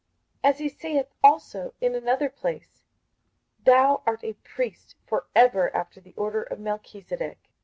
58:005:006 As he saith also in another place, Thou art a priest for ever after the order of Melchisedec.